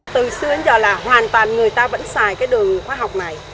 từ xưa đến giờ là hoàn toàn người ta vẫn xài đường hóa học